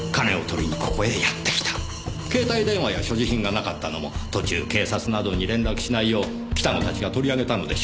携帯電話や所持品がなかったのも途中警察などに連絡しないよう北野たちが取り上げたのでしょう。